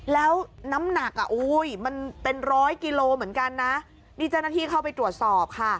แล้วน้ำหนักอ่ะโอ้ยมันเป็นร้อยกิโลเหมือนกันนะนี่เจ้าหน้าที่เข้าไปตรวจสอบค่ะ